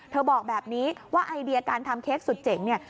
บอกแบบนี้ว่าไอเดียการทำเค้กสุดเจ๋งเนี่ย